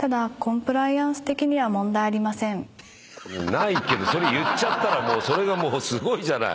ないけどそれ言っちゃったらそれがすごいじゃない。